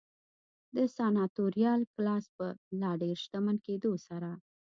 د سناتوریال کلاس په لا ډېر شتمن کېدو سره.